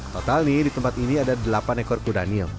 total nih di tempat ini ada delapan ekor kudanil